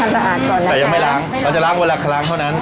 แต่ยังไม่ล้างเราจะล้างเวลาครั้งเท่านั้น